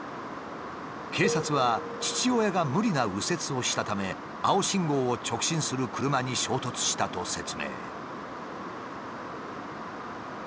警察は父親が無理な右折をしたため青信号を直進する車に衝突したと説明。